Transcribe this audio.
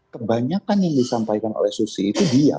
kebanyakan yang disampaikan oleh susi itu dia